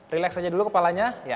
relax aja dulu kepalanya